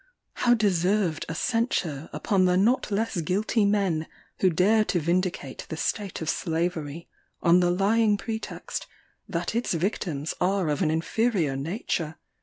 How deserved a censure upon the not less guilty men, who dare to vindicate the state of slavery, on the lying pretext, that its victims are of an inferior nature!